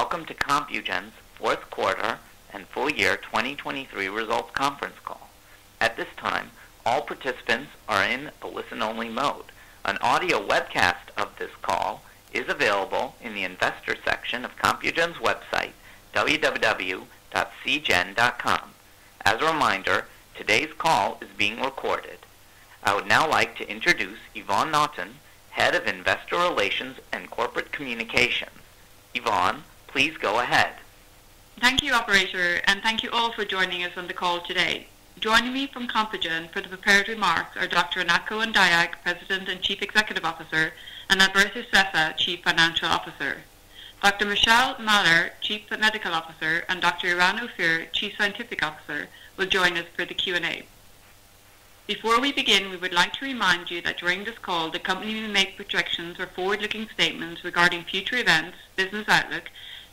Welcome to Compugen's Fourth Quarter and Full Year 2023 Results Conference Call. At this time, all participants are in a listen-only mode. An audio webcast of this call is available in the investor section of Compugen's website, www.cgen.com. As a reminder, today's call is being recorded. I would now like to introduce Yvonne Naughton, Head of Investor Relations and Corporate Communications. Yvonne, please go ahead. Thank you, operator, and thank you all for joining us on the call today. Joining me from Compugen for the prepared remarks are Dr. Anat Cohen-Dayag, President and Chief Executive Officer, and Alberto Sessa, Chief Financial Officer. Dr. Michelle Mahler, Chief Medical Officer, and Dr. Eran Ophir, Chief Scientific Officer, will join us for the Q&A. Before we begin, we would like to remind you that during this call, the company will make projections or forward-looking statements regarding future events, business outlook,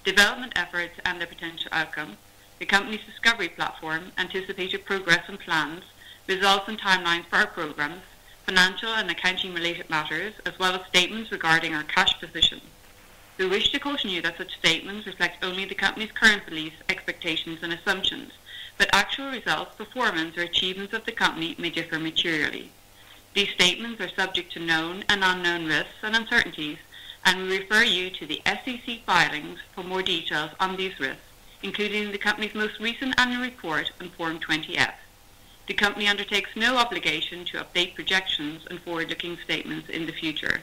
development efforts, and their potential outcome, the company's discovery platform, anticipated progress and plans, results and timelines for our programs, financial and accounting-related matters, as well as statements regarding our cash position. We wish to caution you that such statements reflect only the company's current beliefs, expectations, and assumptions, but actual results, performance, or achievements of the company may differ materially. These statements are subject to known and unknown risks and uncertainties, and we refer you to the SEC filings for more details on these risks, including the company's most recent annual report on Form 20-F. The company undertakes no obligation to update projections and forward-looking statements in the future.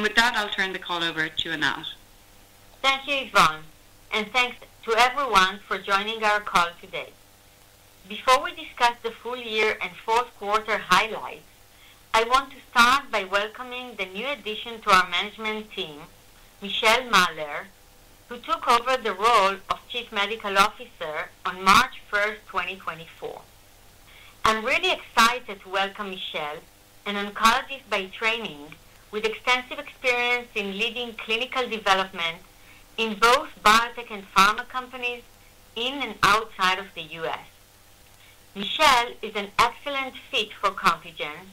With that, I'll turn the call over to Anat. Thank you, Yvonne, and thanks to everyone for joining our call today. Before we discuss the full year and fourth quarter highlights, I want to start by welcoming the new addition to our management team, Michelle Mahler, who took over the role of Chief Medical Officer on March 1st, 2024. I'm really excited to welcome Michelle, an oncologist by training, with extensive experience in leading clinical development in both biotech and pharma companies in and outside of the U.S. Michelle is an excellent fit for Compugen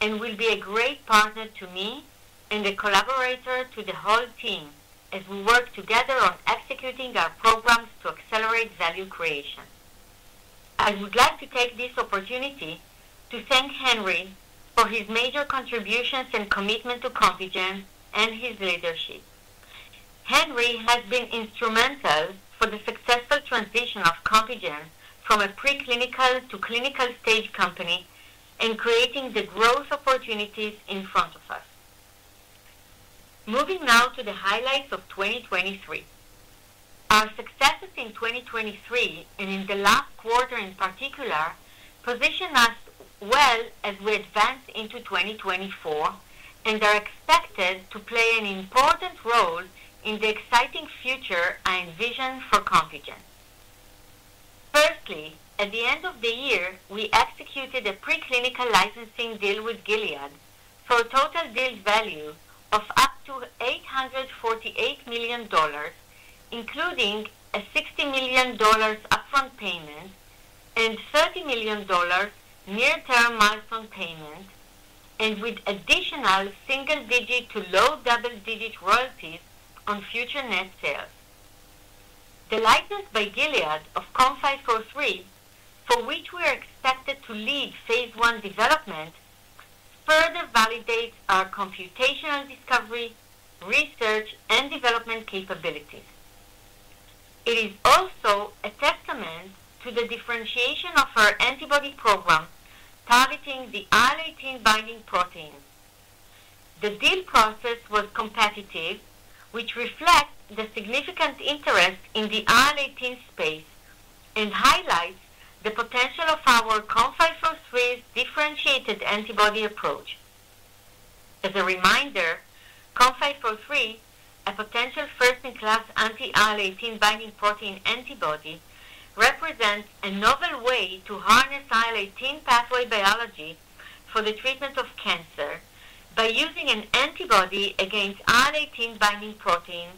and will be a great partner to me and a collaborator to the whole team as we work together on executing our programs to accelerate value creation. I would like to take this opportunity to thank Henry for his major contributions and commitment to Compugen and his leadership. Henry has been instrumental for the successful transition of Compugen from a preclinical to clinical-stage company in creating the growth opportunities in front of us. Moving now to the highlights of 2023. Our successes in 2023, and in the last quarter in particular, position us well as we advance into 2024 and are expected to play an important role in the exciting future I envision for Compugen. Firstly, at the end of the year, we executed a preclinical licensing deal with Gilead for a total deal value of up to $848 million, including a $60 million upfront payment and $30 million near-term milestone payment, and with additional single-digit to low-double-digit royalties on future net sales. The license by Gilead of COM503, for which we are expected to lead phase I development, further validates our computational discovery, research, and development capabilities. It is also a testament to the differentiation of our antibody program targeting the IL-18 binding protein. The deal process was competitive, which reflects the significant interest in the IL-18 space and highlights the potential of our COM503's differentiated antibody approach. As a reminder, COM503, a potential first-in-class anti-IL-18 binding protein antibody, represents a novel way to harness IL-18 pathway biology for the treatment of cancer by using an antibody against IL-18 binding protein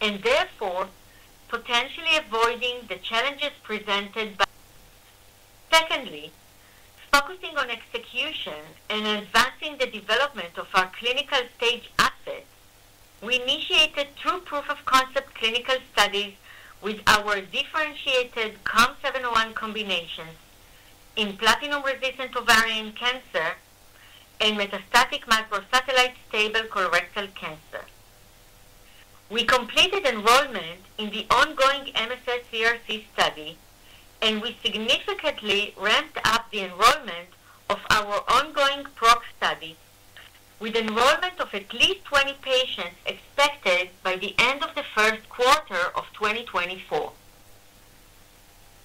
and therefore potentially avoiding the challenges presented by... Secondly, focusing on execution and advancing the development of our clinical stage assets, we initiated two proof-of-concept clinical studies with our differentiated COM701 combinations in platinum-resistant ovarian cancer and metastatic microsatellite stable colorectal cancer. We completed enrollment in the ongoing MSS-CRC study, and we significantly ramped up the enrollment of our ongoing PROC study, with enrollment of at least 20 patients expected by the end of the first quarter of 2024.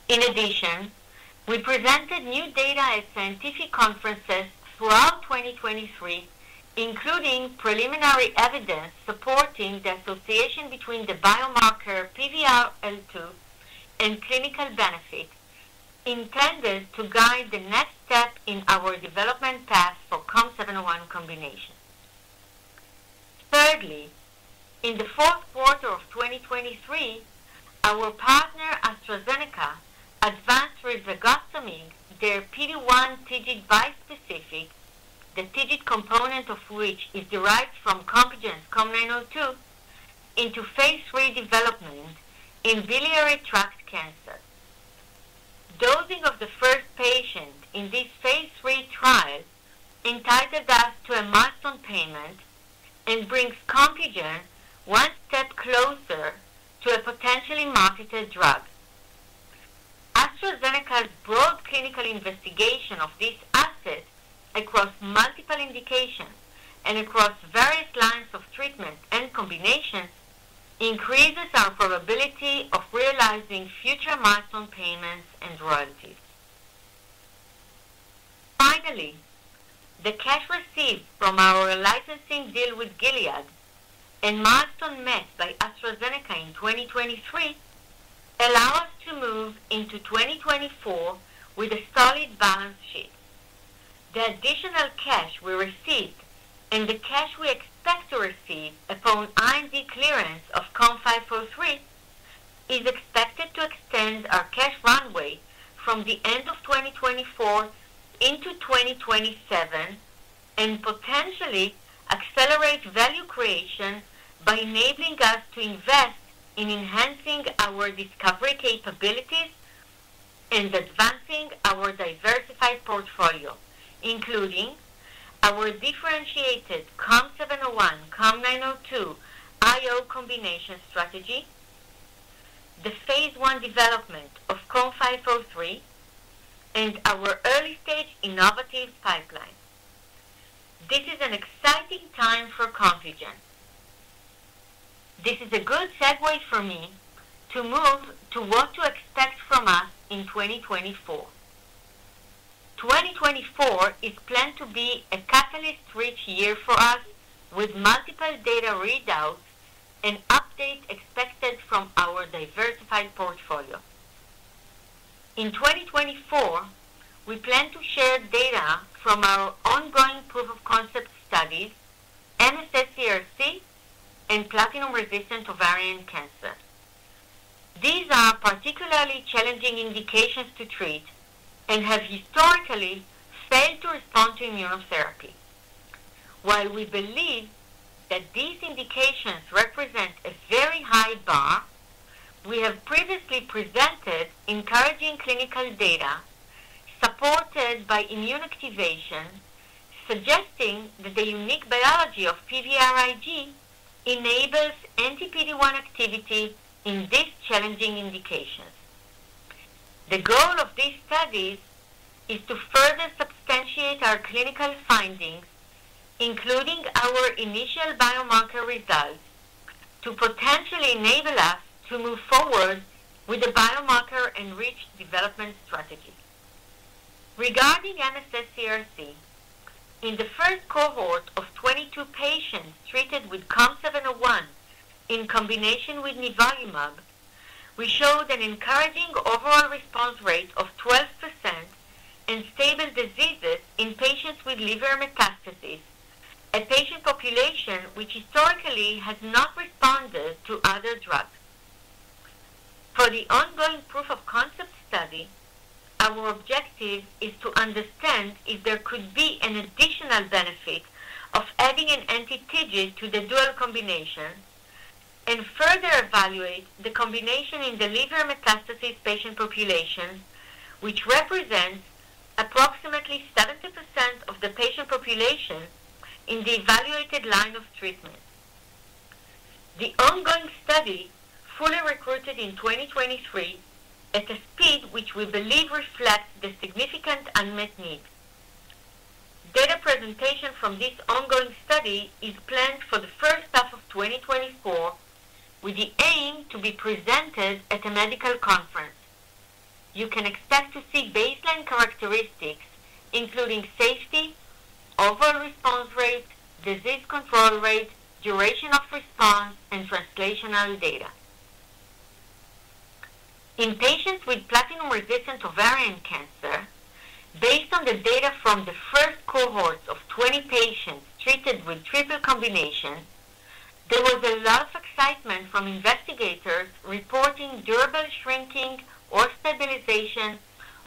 In addition, we presented new data at scientific conferences throughout 2023, including preliminary evidence supporting the association between the biomarker PVRL2 and clinical benefit, intended to guide the next step in our development path for COM701 combination. Thirdly, in the fourth quarter of 2023-... Our partner, AstraZeneca, advanced rilvegostomig, their PD-1 TIGIT bispecific, the TIGIT component of which is derived from Compugen's COM902, into phase III development in biliary tract cancer. Dosing of the first patient in this phase III trial entitles us to a milestone payment and brings Compugen one step closer to a potentially marketed drug. AstraZeneca's broad clinical investigation of this asset across multiple indications and across various lines of treatment and combinations, increases our probability of realizing future milestone payments and royalties. Finally, the cash received from our licensing deal with Gilead and milestone met by AstraZeneca in 2023, allow us to move into 2024 with a solid balance sheet. The additional cash we received and the cash we expect to receive upon IND clearance of COM503 is expected to extend our cash runway from the end of 2024 into 2027, and potentially accelerate value creation by enabling us to invest in enhancing our discovery capabilities and advancing our diversified portfolio, including our differentiated COM701, COM902 IO combination strategy, the phase I development of COM503, and our early-stage innovative pipeline. This is an exciting time for Compugen. This is a good segue for me to move to what to expect from us in 2024. 2024 is planned to be a catalyst-rich year for us, with multiple data readouts and updates expected from our diversified portfolio. In 2024, we plan to share data from our ongoing proof of concept studies, MSS-CRC, and platinum-resistant ovarian cancer. These are particularly challenging indications to treat and have historically failed to respond to immunotherapy. While we believe that these indications represent a very high bar, we have previously presented encouraging clinical data supported by immune activation, suggesting that the unique biology of PVRIG enables anti-PD-1 activity in these challenging indications. The goal of these studies is to further substantiate our clinical findings, including our initial biomarker results, to potentially enable us to move forward with a biomarker-enriched development strategy. Regarding MSS-CRC, in the first cohort of 22 patients treated with COM701 in combination with nivolumab, we showed an encouraging overall response rate of 12% and stable diseases in patients with liver metastases, a patient population which historically has not responded to other drugs. For the ongoing proof of concept study, our objective is to understand if there could be an additional benefit of adding an anti-TIGIT to the dual combination, and further evaluate the combination in the liver metastases patient population, which represents approximately 70% of the patient population in the evaluated line of treatment. The ongoing study fully recruited in 2023 at a speed which we believe reflects the significant unmet need. Data presentation from this ongoing study is planned for the first half of 2024, with the aim to be presented at a medical conference. You can expect to see baseline characteristics, including safety, overall response rate, disease control rate, duration of response, and translational data. In patients with platinum-resistant ovarian cancer, based on the data from the first cohort of 20 patients treated with triple combination, there was a lot of excitement from investigators reporting durable shrinking or stabilization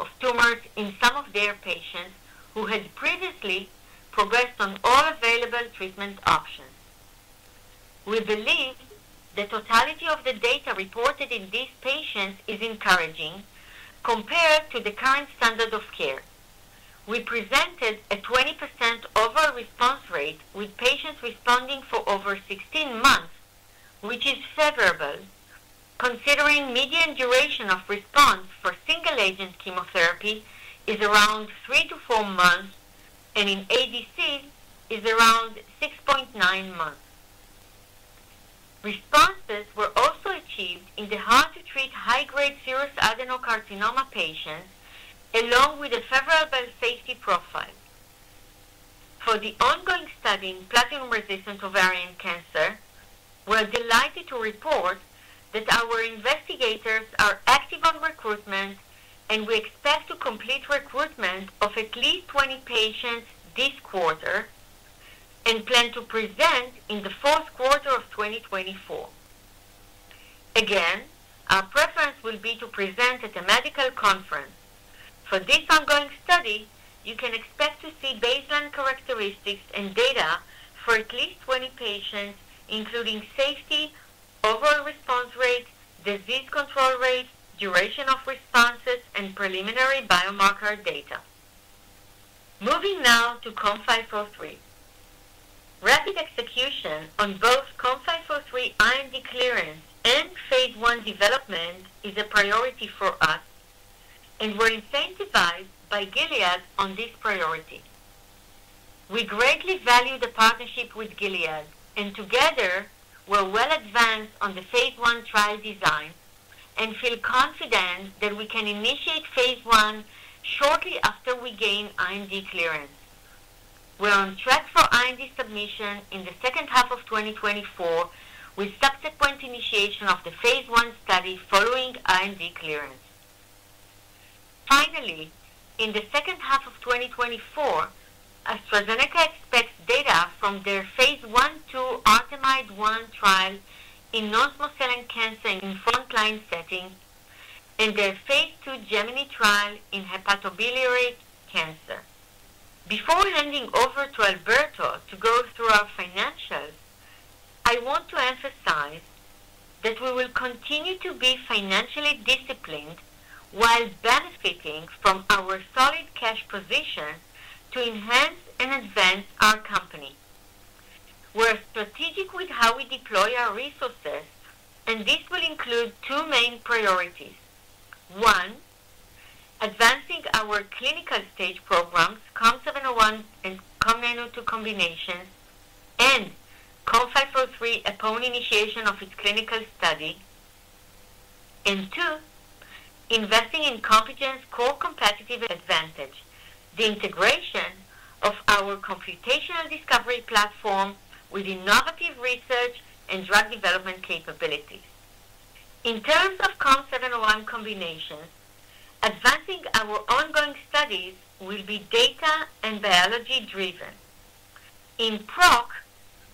of tumors in some of their patients who had previously progressed on all available treatment options. We believe the totality of the data reported in these patients is encouraging compared to the current standard of care. We presented a 20% overall response rate, with patients responding for over 16 months, which is favorable, considering median duration of response for single-agent chemotherapy is around 3-4 months, and in ADC is around 6.9 months. Responses were also achieved in the hard-to-treat high-grade serous adenocarcinoma patients, along with a favorable safety profile. For the ongoing study in platinum-resistant ovarian cancer, we're delighted to report that our investigators are active on recruitment, and we expect to complete recruitment of at least 20 patients this quarter... and plan to present in the fourth quarter of 2024. Again, our preference will be to present at a medical conference. For this ongoing study, you can expect to see baseline characteristics and data for at least 20 patients, including safety, overall response rate, disease control rate, duration of responses, and preliminary biomarker data. Moving now to COM503. Rapid execution on both COM503 IND clearance and phase one development is a priority for us, and we're incentivized by Gilead on this priority. We greatly value the partnership with Gilead, and together, we're well advanced on the phase I trial design and feel confident that we can initiate phase I shortly after we gain IND clearance. We're on track for IND submission in the second half of 2024, with subsequent initiation of the phase I study following IND clearance. Finally, in the second half of 2024, AstraZeneca expects data from their phase I/II ARTEMIS-1 trial in non-small cell cancer in front-line setting and their phase II GEMINI trial in hepatobiliary cancer. Before handing over to Alberto to go through our financials, I want to emphasize that we will continue to be financially disciplined while benefiting from our solid cash position to enhance and advance our company. We're strategic with how we deploy our resources, and this will include 2 main priorities. One, advancing our clinical stage programs, COM701 and COM902 combinations, and COM503 upon initiation of its clinical study. And two, investing in Compugen's core competitive advantage, the integration of our computational discovery platform with innovative research and drug development capabilities. In terms of COM701 combinations, advancing our ongoing studies will be data and biology-driven. In PROC,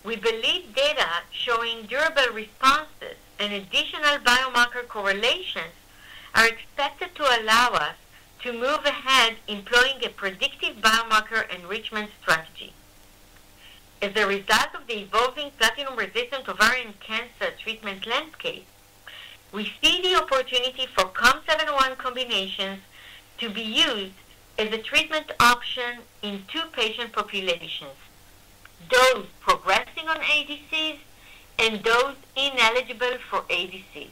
we believe data showing durable responses and additional biomarker correlations are expected to allow us to move ahead employing a predictive biomarker enrichment strategy. As a result of the evolving platinum-resistant ovarian cancer treatment landscape, we see the opportunity for COM701 combinations to be used as a treatment option in two patient populations: those progressing on ADCs and those ineligible for ADC.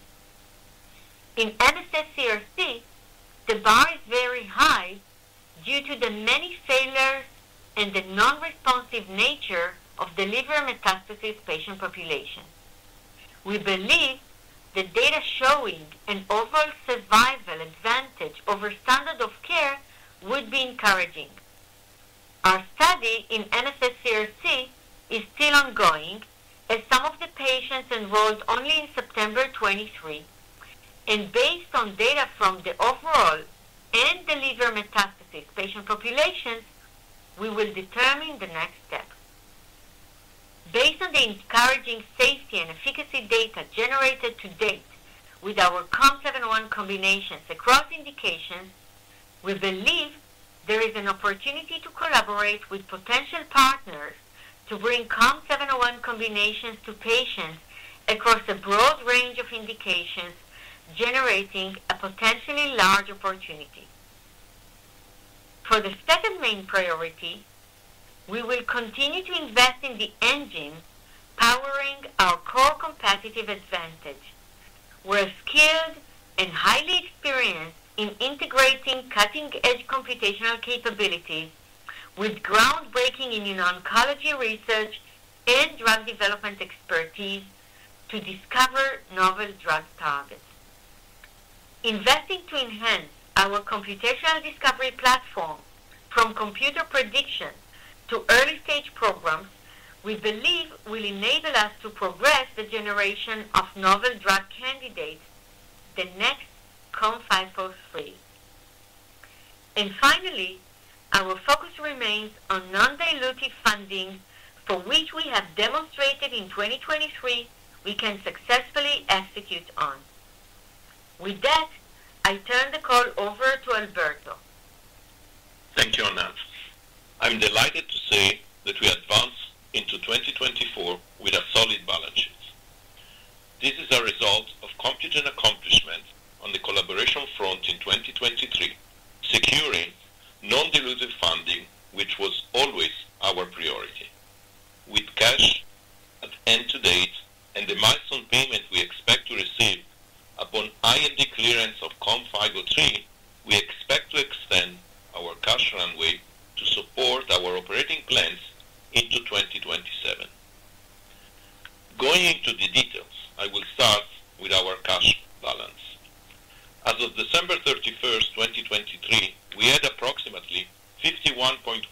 In MSS-CRC, the bar is very high due to the many failures and the non-responsive nature of the liver metastasis patient population. We believe the data showing an overall survival advantage over standard of care would be encouraging. Our study in MSS-CRC is still ongoing, as some of the patients enrolled only in September 2023, and based on data from the overall and the liver metastasis patient populations, we will determine the next step. Based on the encouraging safety and efficacy data generated to date with our COM701 combinations across indications, we believe there is an opportunity to collaborate with potential partners to bring COM701 combinations to patients across a broad range of indications, generating a potentially large opportunity. For the second main priority, we will continue to invest in the engine powering our core competitive advantage. We're skilled and highly experienced in integrating cutting-edge computational capabilities with groundbreaking immuno-oncology research and drug development expertise to discover novel drug targets. Investing to enhance our computational discovery platform from computer prediction to early-stage programs, we believe will enable us to progress the generation of novel drug candidates, the next COM503. And finally, our focus remains on non-dilutive funding, for which we have demonstrated in 2023 we can successfully execute on. With that, I turn the call over to Alberto. Thank you, Anat. I'm delighted to say that we advanced into 2024 with a solid balance sheet. This is a result of Compugen accomplishment on the collaboration front in 2023, securing non-dilutive funding, which was always our priority. With cash at end to date and the milestone payment we expect to receive upon IND clearance of COM503, we expect to extend our cash runway to support our operating plans into 2027. Going into the details, I will start with our cash balance. As of December 31st, 2023, we had approximately $51.1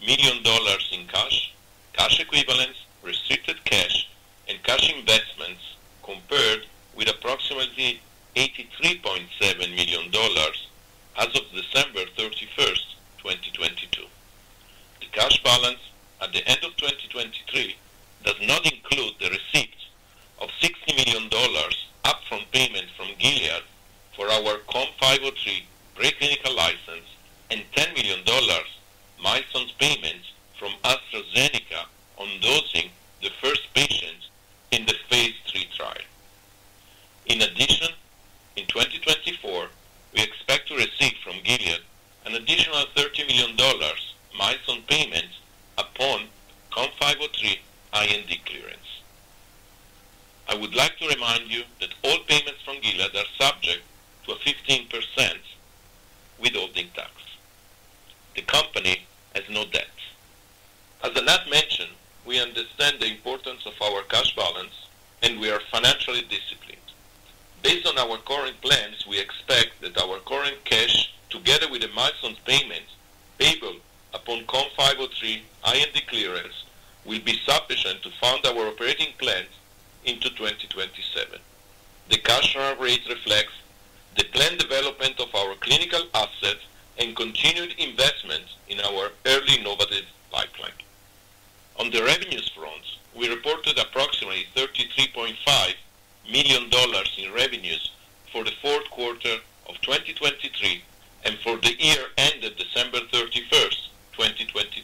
million in cash, cash equivalents, restricted-... compared with approximately $83.7 million as of December 31st, 2022. The cash balance at the end of 2023 does not include the receipt of $60 million upfront payment from Gilead for our COM503 preclinical license and $10 million milestone payments from AstraZeneca on dosing the first patients in the phase III trial. In addition, in 2024, we expect to receive from Gilead an additional $30 million milestone payment upon COM503 IND clearance. I would like to remind you that all payments from Gilead are subject to a 15% withholding tax. The company has no debt. As Anat mentioned, we understand the importance of our cash balance, and we are financially disciplined. Based on our current plans, we expect that our current cash, together with the milestone payments payable upon COM503 IND clearance, will be sufficient to fund our operating plans into 2027. The cash run rate reflects the planned development of our clinical assets and continued investments in our early innovative pipeline. On the revenues front, we reported approximately $33.5 million in revenues for the fourth quarter of 2023 and for the year ended December 31st, 2023,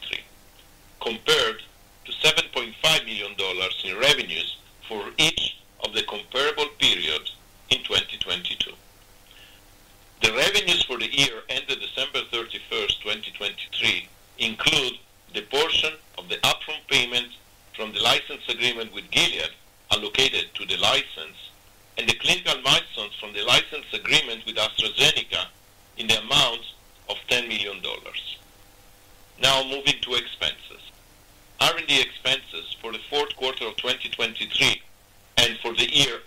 compared to $7.5 million in revenues for each of the comparable periods in 2022. The revenues for the year ended December 31st, 2023, include the portion of the upfront payment from the license agreement with Gilead allocated to the license and the clinical milestones from the license agreement with AstraZeneca in the amount of $10 million. Now, moving to expenses. R&D expenses for the fourth quarter of 2023 and for the year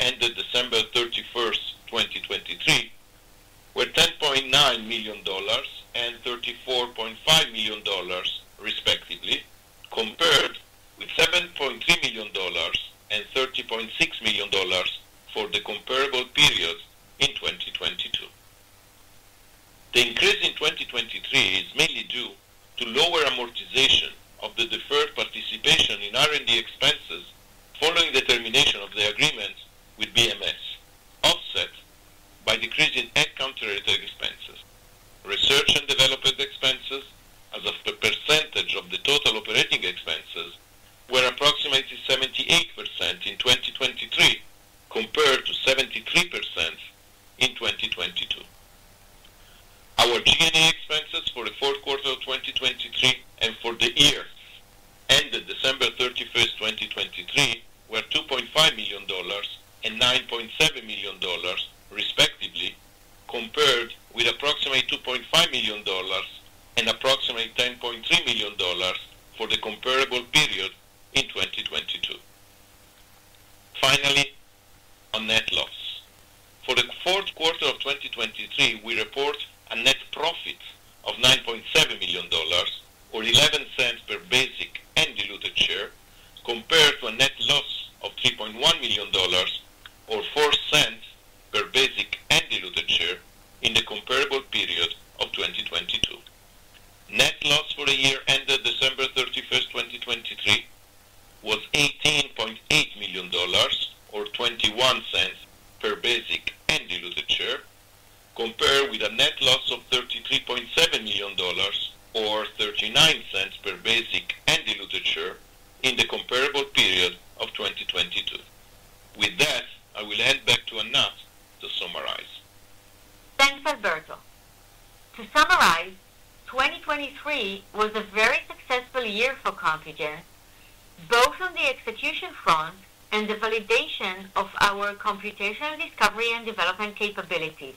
computational discovery and development capabilities,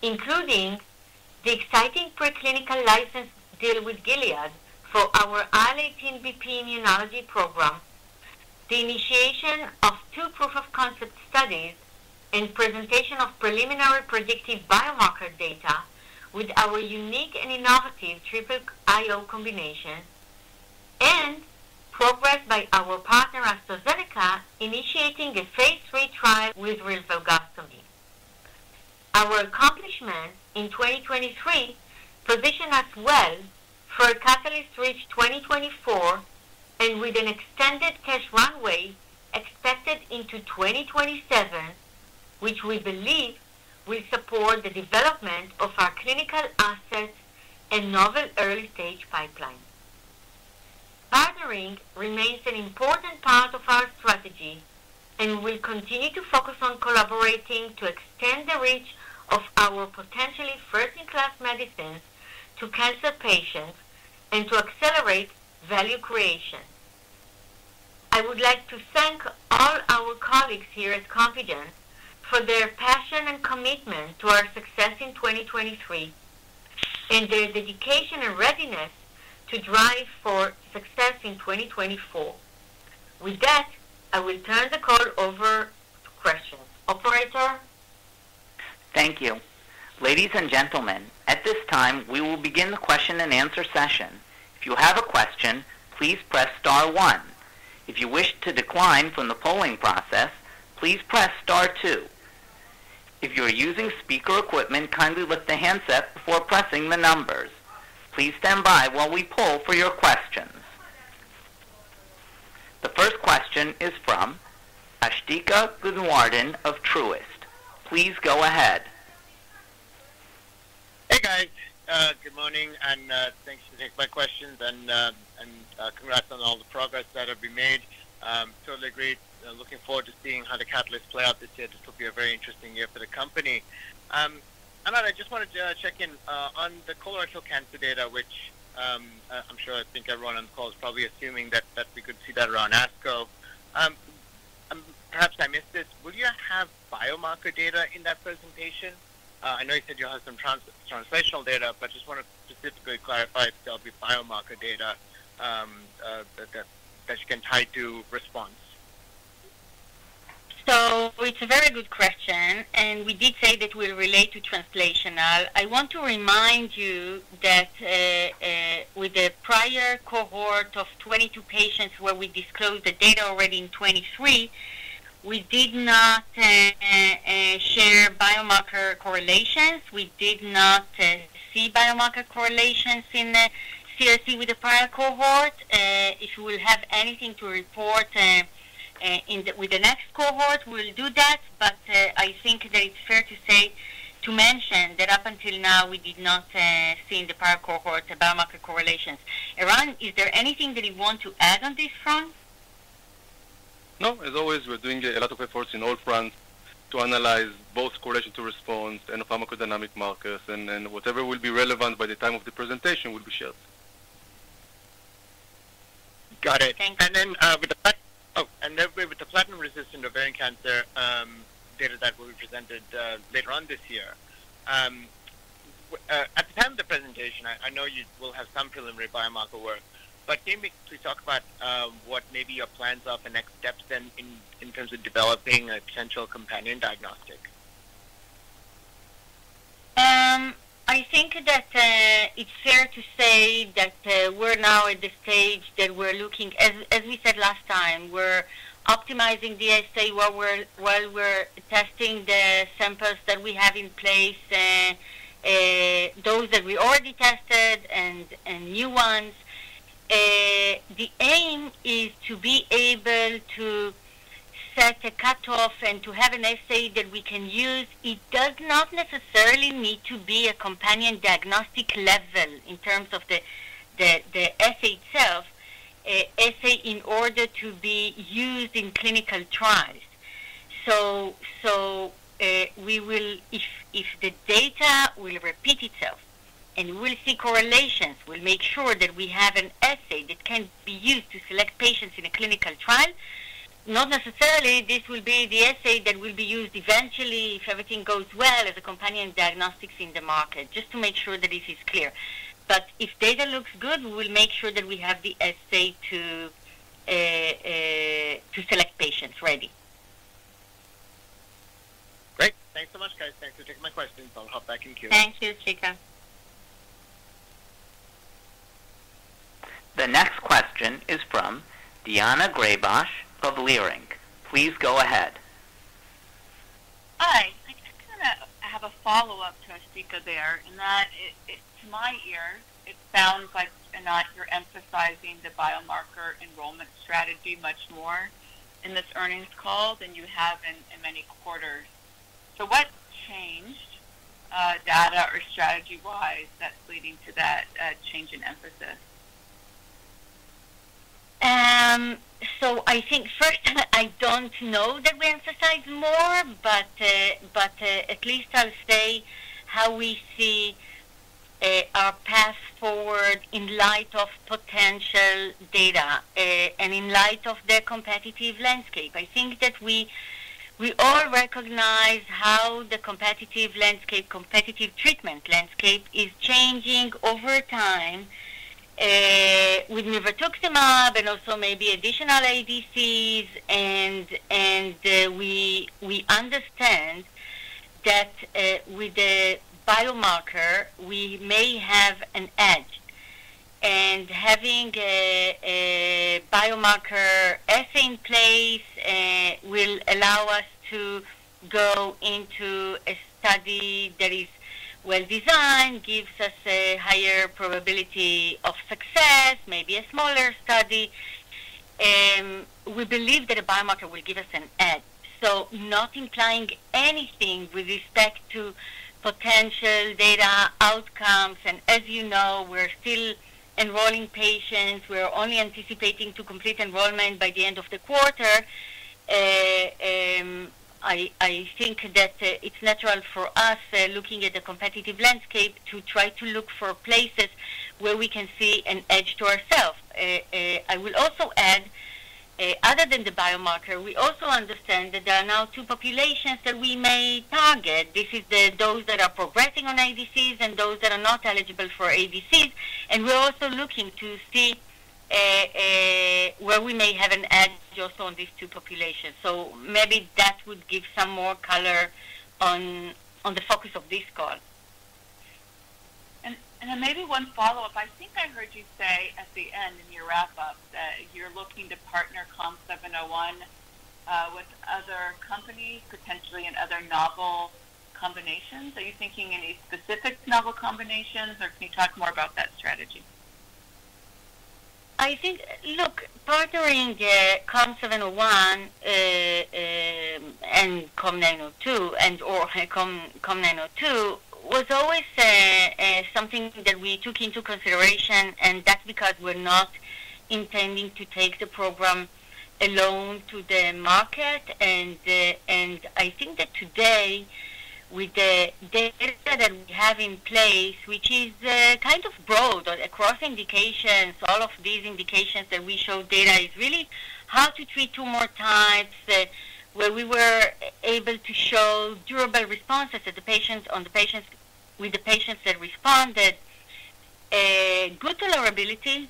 including the exciting preclinical license deal with Gilead for our IL-18 BP immunology program, the initiation of 2 proof of concept studies, and presentation of preliminary predictive biomarker data with our unique and innovative triple IO combination, and progress by our partner, AstraZeneca, initiating a phase III trial with rilvegostomig. Our accomplishment in 2023 position us well for a catalyst-rich 2024 and with an extended cash runway expected into 2027, which we believe will support the development of our clinical assets and novel early-stage pipeline. Partnering remains an important part of our strategy, and we continue to focus on collaborating to extend the reach of our potentially first-in-class medicines to cancer patients and to accelerate value creation. I would like to thank all our colleagues here at Compugen for their passion and commitment to our success in 2023, and their dedication and readiness to drive for success in 2024. With that, I will turn the call over to questions. Operator? Thank you. Ladies and gentlemen, at this time, we will begin the question and answer session. If you have a question, please press star one. If you wish to decline from the polling process, please press star two. If you are using speaker equipment, kindly lift the handset before pressing the numbers. Please stand by while we poll for your questions. The first question is from Asthika Goonewardene of Truist. Please go ahead. Hey, guys. Good morning, and thanks to take my questions, and, and congrats on all the progress that have been made. Totally agreed. Looking forward to seeing how the catalysts play out this year. This will be a very interesting year for the company. And I just wanted to check in on the colorectal cancer data, which, I'm sure I think everyone on the call is probably assuming that, that we could see that around ASCO. Perhaps I missed it. Will you have biomarker data in that presentation? I know you said you'll have some trans-translational data, but just want to specifically clarify if there'll be biomarker data, that, that you can tie to response. It's a very good question, and we did say that we'll relate to translational. I want to remind you that with the prior cohort of 22 patients where we disclosed the data already in 2023, we did not share biomarker correlations. We did not see biomarker correlations in the CRC with the prior cohort. If we will have anything to report in the with the next cohort, we'll do that. But I think that it's fair to say to mention that up until now, we did not see in the prior cohort the biomarker correlations. Eran, is there anything that you want to add on this front? No. As always, we're doing a lot of efforts in all fronts to analyze both correlation to response and pharmacodynamic markers, and then whatever will be relevant by the time of the presentation will be shared. Got it. Thank you. And then with the platinum-resistant ovarian cancer data that will be presented later on this year. At the time of the presentation, I know you will have some preliminary biomarker work, but can you maybe please talk about what maybe your plans are for next steps then in terms of developing a potential companion diagnostic? I think that it's fair to say that we're now at the stage that we're looking... As we said last time, we're optimizing the assay, while we're testing the samples that we have in place, those that we already tested and new ones. The aim is to be able to set a cutoff and to have an assay that we can use. It does not necessarily need to be a companion diagnostic level in terms of the assay itself, assay in order to be used in clinical trials. If the data will repeat itself and we'll see correlations, we'll make sure that we have an assay that can be used to select patients in a clinical trial. Not necessarily, this will be the assay that will be used eventually, if everything goes well, as a companion diagnostics in the market, just to make sure that this is clear. But if data looks good, we will make sure that we have the assay to select patients ready. Great. Thanks so much, guys. Thanks for taking my questions. I'll hop back in queue. Thank you, Asthika. The next question is from Daina Graybosch of Leerink Partners. Please go ahead. Hi. I just kind of have a follow-up to Asthika there, and to my ear, it sounds like, Anat, you're emphasizing the biomarker enrollment strategy much more in this earnings call than you have in many quarters. So what's changed, data or strategy-wise, that's leading to that change in emphasis? So I think first, I don't know that we emphasize more, but at least I'll say how we see our path forward in light of potential data and in light of the competitive landscape. I think that we all recognize how the competitive landscape, competitive treatment landscape is changing over time with nivolumab and also maybe additional ADCs. And we understand that with the biomarker, we may have an edge. And having a biomarker assay in place will allow us to go into a study that is well-designed, gives us a higher probability of success, maybe a smaller study. We believe that a biomarker will give us an edge, so not implying anything with respect to potential data outcomes. And as you know, we're still enrolling patients. We're only anticipating to complete enrollment by the end of the quarter. I think that it's natural for us, looking at the competitive landscape, to try to look for places where we can see an edge to ourselves. I will also add, other than the biomarker, we also understand that there are now two populations that we may target. This is the, those that are progressing on ADCs and those that are not eligible for ADCs, and we're also looking to see where we may have an edge also on these two populations. So maybe that would give some more color on the focus of this call. Then maybe one follow-up. I think I heard you say at the end in your wrap-up that you're looking to partner COM701 with other companies, potentially in other novel combinations. Are you thinking any specific novel combinations, or can you talk more about that strategy? I think—Look, partnering COM701 and COM902, and/or COM902, was always something that we took into consideration, and that's because we're not intending to take the program alone to the market. And, and I think that today, with the data that we have in place, which is kind of broad across indications, all of these indications that we show data, is really how to treat two more types, that where we were able to show durable responses to the patients, on the patients, with the patients that responded. A good tolerability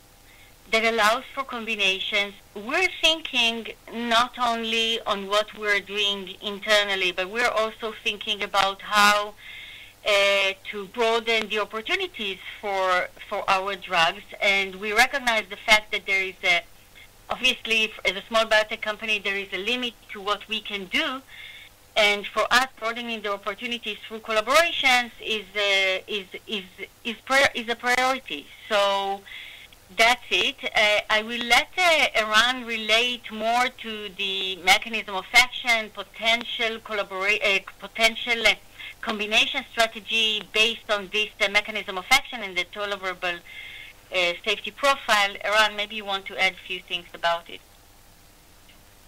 that allows for combinations. We're thinking not only on what we're doing internally, but we're also thinking about how to broaden the opportunities for our drugs, and we recognize the fact that there is a... Obviously, as a small biotech company, there is a limit to what we can do, and for us, broadening the opportunities through collaborations is a priority. So that's it. I will let Eran relate more to the mechanism of action, potential combination strategy based on this, the mechanism of action and the tolerable safety profile. Eran, maybe you want to add a few things about it.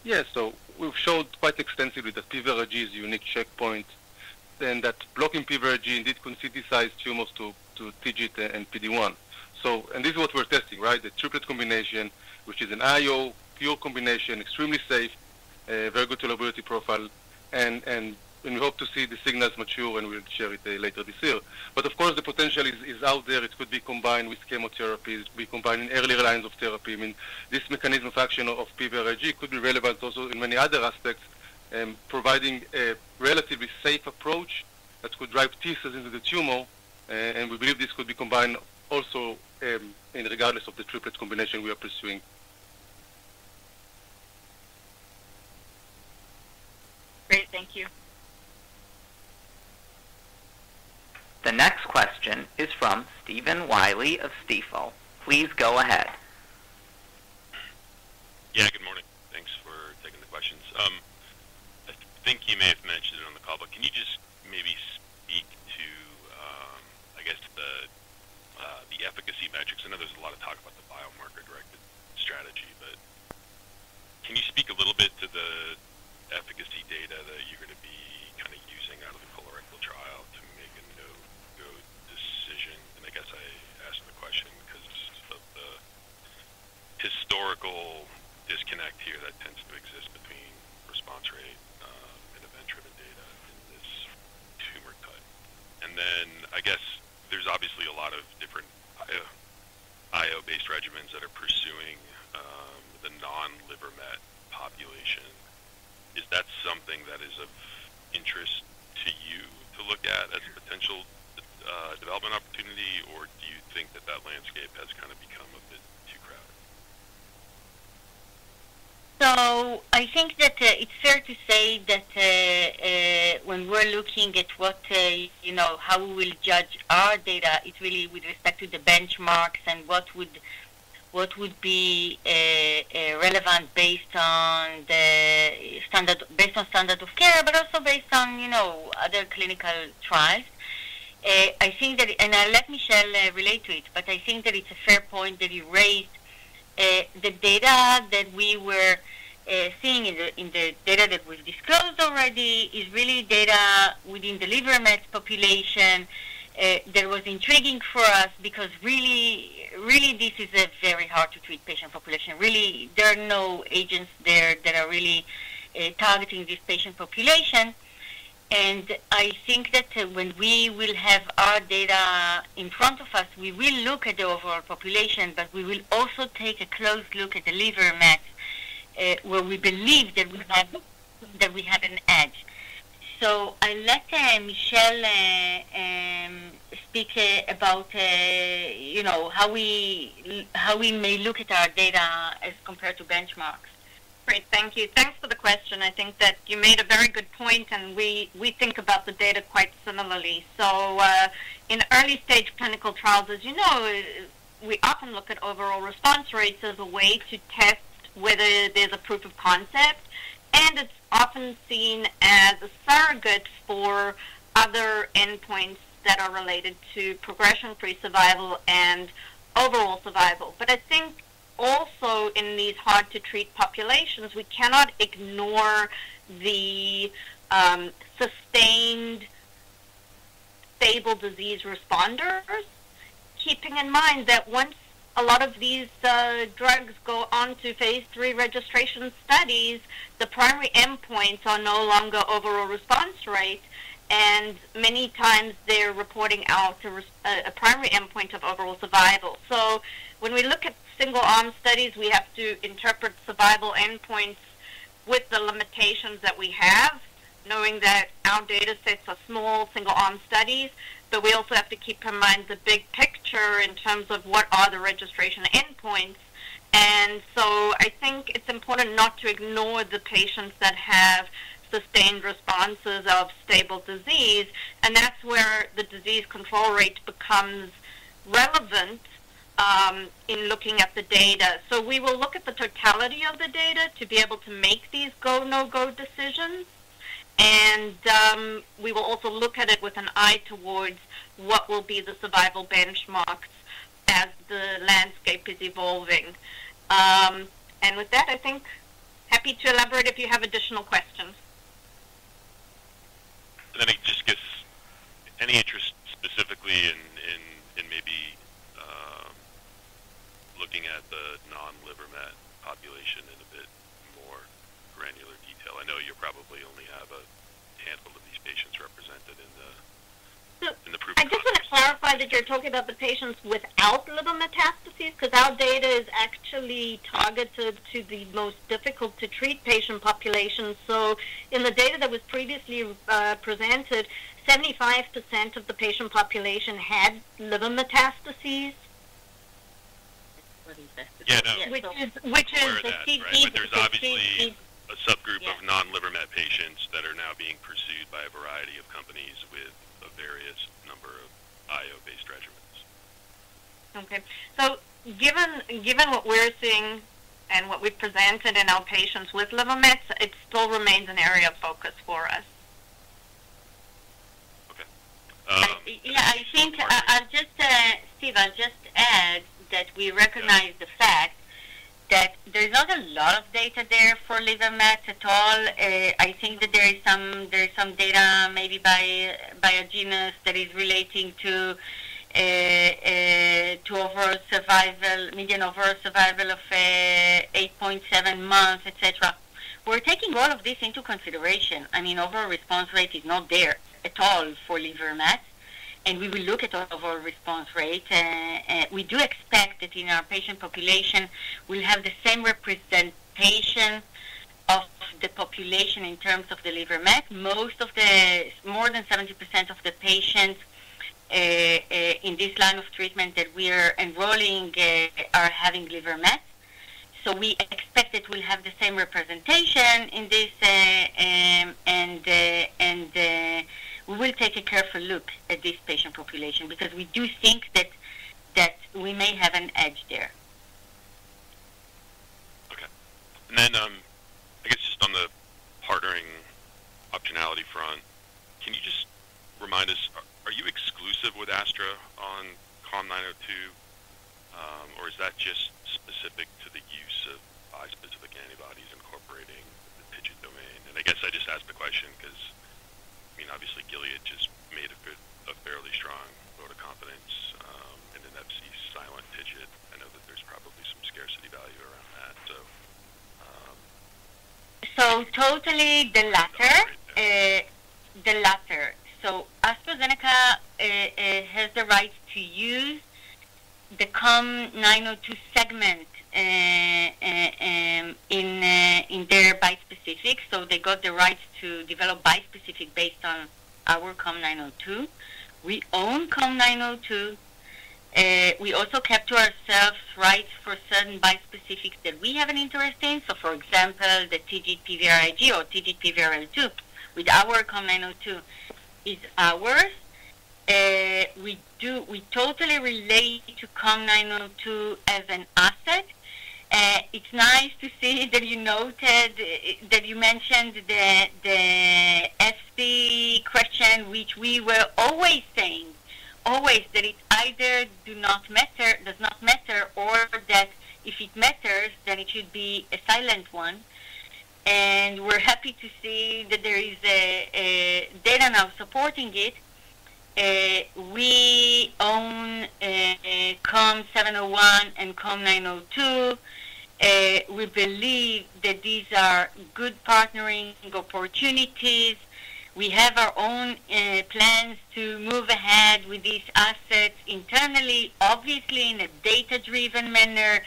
Yes. So we've showed quite extensively that PVRIG's unique checkpoint, and that blocking PVRIG indeed sensitize tumors to TIGIT and PD-1. So, and this is what we're testing, right? The triplet combination, which is an IO combo, extremely safe, very good tolerability profile, and we hope to see the signals mature, and we'll share it later this year. But of course, the potential is out there. It could be combined with chemotherapies, be combined in earlier lines of therapy. I mean, this mechanism of action of PVRIG could be relevant also in many other aspects, providing a relatively safe approach that could drive T cells into the tumor, and we believe this could be combined also, regardless of the triplet combination we are pursuing. Great, thank you. The next question is from Stephen Willey of Stifel. Please go ahead. Yeah, good morning. Thanks for taking the questions. I think you may have mentioned it on the call, but can you just maybe speak to, I guess, the, the efficacy metrics? I know there's a lot of talk about the biomarker-directed strategy, but can you speak a little bit to the efficacy data that you're gonna be kinda using out of the colorectal trial to make a no-go decision? And I guess I ask the question because of the historical disconnect here that tends to exist between response rate, and event-driven data in this tumor type. And then, I guess there's obviously a lot of different IO, IO-based regimens that are pursuing, the non-liver met population. Is that something that is of interest to you to look at as a potential, development opportunity, or do you think that that landscape has kind of become a bit too crowded? So I think that, it's fair to say that, when we're looking at what, you know, how we will judge our data, it's really with respect to the benchmarks and what would, what would be, relevant based on the standard, based on standard of care, but also based on, you know, other clinical trials. I think that... And I'll let Michelle relate to it, but I think that it's a fair point that you raised. The data that we were seeing in the, in the data that was disclosed already is really data within the liver met population. That was intriguing for us because really, really, this is a very hard-to-treat patient population. Really, there are no agents there that are really targeting this patient population, and I think that when we will have our data in front of us, we will look at the overall population, but we will also take a close look at the liver met, where we believe that we have an edge. So I'll let Michelle speak about, you know, how we may look at our data as compared to benchmarks. Great, thank you. Thanks for the question. I think that you made a very good point, and we, we think about the data quite similarly. So, in early-stage clinical trials, as you know, we often look at overall response rates as a way to test whether there's a proof of concept, and it's often seen as a surrogate for other endpoints that are related to progression-free survival and overall survival. But I think also in these hard-to-treat populations, we cannot ignore the, sustained- ...stable disease responders, keeping in mind that once a lot of these drugs go on to phase III registration studies, the primary endpoints are no longer overall response rate, and many times they're reporting out a primary endpoint of overall survival. So when we look at single arm studies, we have to interpret survival endpoints with the limitations that we have, knowing that our datasets are small single arm studies, but we also have to keep in mind the big picture in terms of what are the registration endpoints. And so I think it's important not to ignore the patients that have sustained responses of stable disease, and that's where the disease control rate becomes relevant in looking at the data. So we will look at the totality of the data to be able to make these go, no-go decisions. We will also look at it with an eye towards what will be the survival benchmarks as the landscape is evolving. And with that, I think, happy to elaborate if you have additional questions. Let me just guess. Any interest specifically in maybe looking at the non-liver met population in a bit more granular detail? I know you probably only have a handful of these patients represented in the- So- In the proof of concept. I just wanna clarify that you're talking about the patients without liver metastases, 'cause our data is actually targeted to the most difficult to treat patient population. So in the data that was previously presented, 75% of the patient population had liver metastases. What is that? Yeah, no. Which is the TIGIT- But there's obviously a subgroup of non-liver met patients that are now being pursued by a variety of companies with a various number of IO-based regimens. Okay. So given what we're seeing and what we've presented in our patients with liver mets, it still remains an area of focus for us. Okay. Um- Yeah, I think, Steve, I'll just add that we recognize the fact that there's not a lot of data there for liver mets at all. I think that there is some data maybe by Agenus that is relating to overall survival, median overall survival of 8.7 months, et cetera. We're taking all of this into consideration. I mean, overall response rate is not there at all for liver mets, and we will look at overall response rate. We do expect that in our patient population, we'll have the same representation of the population in terms of the liver mets. Most of the more than 70% of the patients in this line of treatment that we are enrolling are having liver mets. So we expect that we'll have the same representation in this, and we will take a careful look at this patient population because we do think that we may have an edge there. Okay. And then, I guess just on the partnering optionality front, can you just remind us, are you exclusive with Astra on COM902? Or is that just specific to the use of bispecific antibodies incorporating the TIGIT domain? And I guess I just asked the question 'cause, I mean, obviously, Gilead just made a good, a fairly strong vote of confidence, in an Fc silent TIGIT. I know that there's probably some scarcity value around that, so. So totally the latter. The latter. So AstraZeneca has the right to use the COM902 segment in their bispecific, so they got the right to develop bispecific based on our COM902. We own COM902. We also kept to ourselves rights for certain bispecifics that we have an interest in. So for example, the TIGIT-PVRIG or TIGIT-PVRL2, with our COM902 is ours. We totally relate to COM902 as an asset. It's nice to see that you noted, that you mentioned the, the Fc question, which we were always saying, always, that it either do not matter, does not matter, or that if it matters, then it should be a silent one. We're happy to see that there is data now supporting it. We own COM701 and COM902. We believe that these are good partnering opportunities. We have our own plans to move ahead with these assets internally, obviously in a data-driven manner,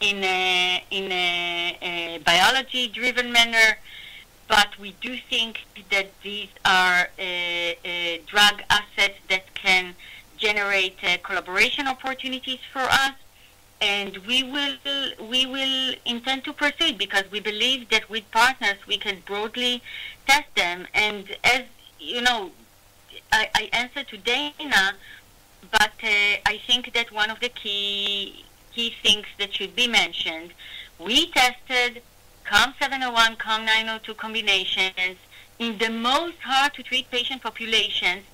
in a biology-driven manner. But we do think that these are drug assets that can generate collaboration opportunities for us, and we will intend to proceed because we believe that with partners, we can broadly test them. And as you know, I answered to Daina, but I think that one of the key things that should be mentioned, we tested COM701, COM902 combinations. In the most hard to treat patient populations,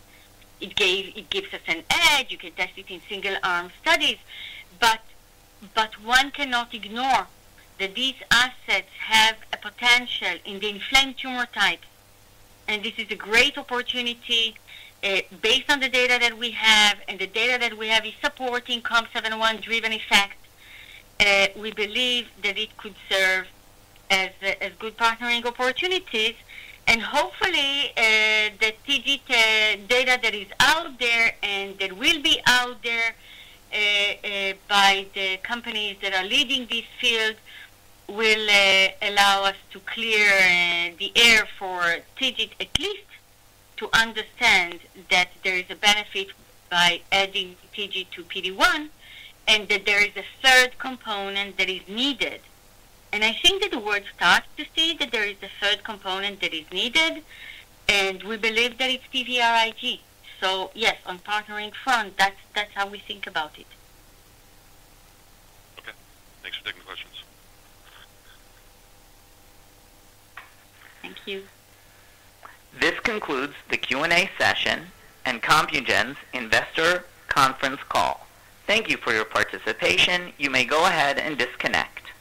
it gave, it gives us an edge. You can test it in single arm studies, but one cannot ignore that these assets have a potential in the inflamed tumor type. And this is a great opportunity, based on the data that we have, and the data that we have is supporting COM701-driven effect. We believe that it could serve as a, as good partnering opportunities, and hopefully, the TIGIT data that is out there and that will be out there, by the companies that are leading this field, will allow us to clear the air for TIGIT, at least to understand that there is a benefit by adding TIGIT to PD-1, and that there is a third component that is needed. And I think that the world starts to see that there is a third component that is needed, and we believe that it's TIGIT. Yes, on partnering front, that's, that's how we think about it. Okay. Thanks for taking the questions. Thank you. This concludes the Q&A session and Compugen's Investor Conference Call. Thank you for your participation. You may go ahead and disconnect.